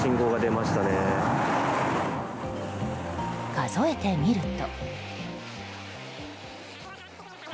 数えてみると。